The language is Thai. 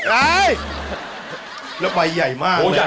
ไอ้แล้วใบใหญ่มากเลย